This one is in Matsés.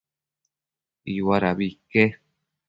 Iuadabi ique